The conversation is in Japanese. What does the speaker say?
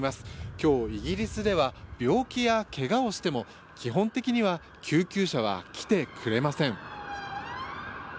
今日、イギリスでは病気や怪我をしても基本的には救急車は来てくれません。